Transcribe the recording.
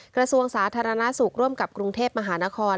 กระทรวงสาธารณสุขร่วมกับกรุงเทพมหานคร